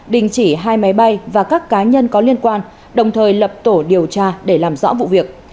đình chỉ hai máy bay và các cá nhân có liên quan đồng thời lập tổ điều tra để làm rõ vụ việc